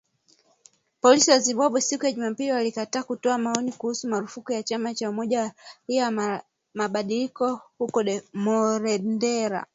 Polisi wa Zimbabwe, siku ya Jumapili walikataa kutoa maoni kuhusu marufuku kwa chama cha Umoja wa Raia kwa Mabadiliko huko Marondera